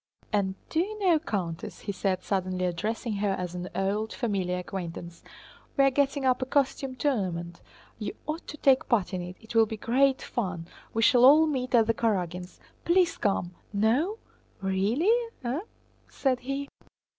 "And do you know, Countess," he said, suddenly addressing her as an old, familiar acquaintance, "we are getting up a costume tournament; you ought to take part in it! It will be great fun. We shall all meet at the Karágins'! Please come! No! Really, eh?" said he.